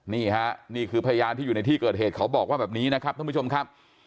นี่ฮะนี่คือพยานที่อยู่ในที่เกิดเหตุเขาบอกว่าแบบนี้นะครับท่านผู้ชมครับ